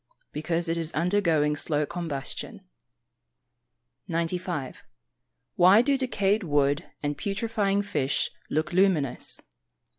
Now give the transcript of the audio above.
_ Because it is undergoing slow combustion. 95. _Why do decayed wood, and putrifying fish, look luminous?